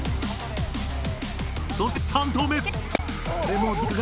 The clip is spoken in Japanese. そして３投目。